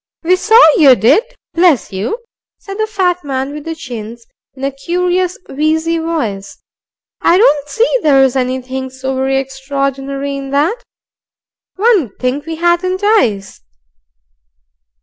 "We saw you did, bless you," said the fat man with the chins, in a curious wheezy voice. "I don't see there's anything so very extraordinary in that. One 'ud think we hadn't eyes."